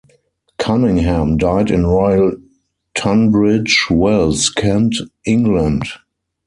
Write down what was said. Cunningham died in Royal Tunbridge Wells, Kent, England.